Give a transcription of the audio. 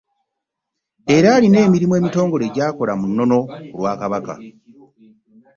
Era alina emirimu emitongole gy'akola mu nnono ku lwa Kabaka.